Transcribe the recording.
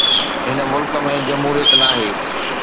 هن ملڪ ۾ جمهوريت ناهي.